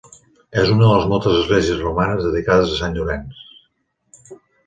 És una de les moltes esglésies romanes dedicades a Sant Llorenç.